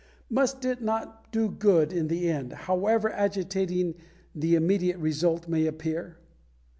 Must it not do good in the end, however agitating the immediate result may appear?